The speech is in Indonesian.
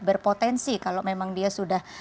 berpotensi kalau memang dia sudah